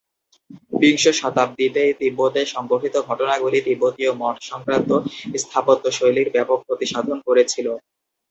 বিংশ শতাব্দীতে তিব্বতে সংঘটিত ঘটনাগুলি তিব্বতীয় মঠ সংক্রান্ত স্থাপত্যশৈলীর ব্যাপক ক্ষতি সাধন করেছিল।